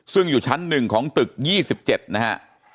ซึ่งอยู่ชั้น๑ของตึก๒๗นะฮะ